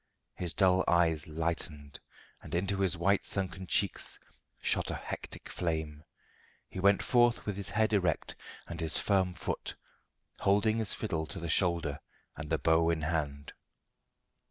His dull eyes lightened, and into his white sunken cheeks shot a hectic flame. He went forth with his head erect and with firm foot, holding his fiddle to the shoulder and the bow in hand.